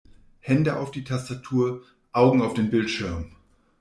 Hände auf die Tastatur, Augen auf den Bildschirm!